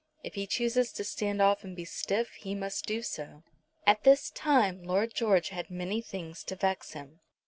If he chooses to stand off and be stiff he must do so." At this time Lord George had many things to vex him.